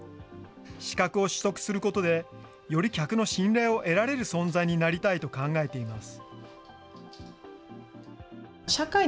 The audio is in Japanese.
資格を取得することで、より客の信頼を得られる存在になりたいと考えています。